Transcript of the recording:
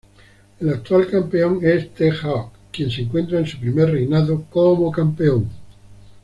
El actual campeón es T-Hawk, quien se encuentra en su primer reinado como campeón.